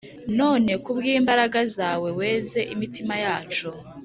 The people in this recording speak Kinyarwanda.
None kubw’imabaraga zawe weze imitima yacu